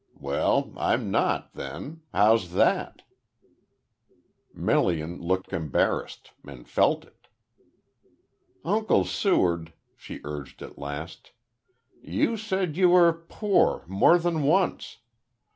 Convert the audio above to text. Well, I'm not, then. How's that?" Melian looked embarrassed, and felt it. "Uncle Seward," she urged at last. "You said you were poor more than once.